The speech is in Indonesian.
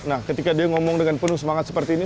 nah ketika dia ngomong dengan penuh semangat seperti ini